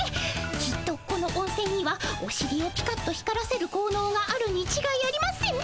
きっとこの温せんにはおしりをピカッと光らせるこうのうがあるにちがいありません。